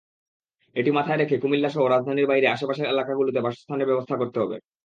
এটি মাথায় রেখে কুমিল্লাসহ রাজধানীর বাইরের আশপাশের এলাকাগুলোতে বাসস্থানের ব্যবস্থা করতে হবে।